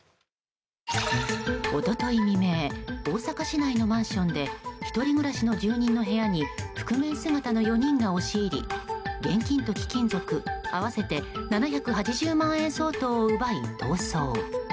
一昨日未明大阪市内のマンションで１人暮らしの住人の部屋に覆面姿の４人が押し入り現金と貴金属、合わせて７８０万円相当を奪い逃走。